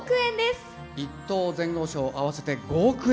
１等前後賞合わせて５億円。